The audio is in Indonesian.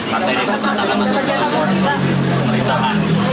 maka dalam stent dia juga bravo